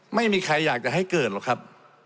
ไม่มีใครอยากจะให้เกิดหรอกครับ